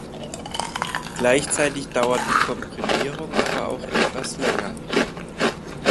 Gleichzeitig dauert die Komprimierung aber auch etwas länger.